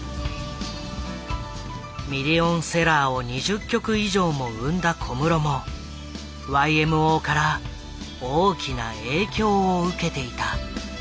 ミリオンセラーを２０曲以上も生んだ小室もＹＭＯから大きな影響を受けていた。